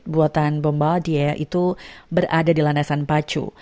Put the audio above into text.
buatan bomba dia itu berada di landasan pacu